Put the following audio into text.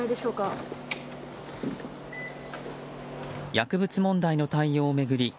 薬物問題の対応を巡り